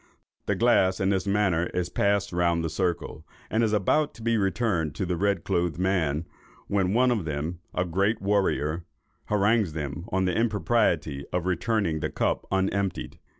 The glass in this manner is passed round the circle, and is about to be returned to the red clothed man, when one of them, a great warrior, harangues them on the impropriety of returning the cup unemptied.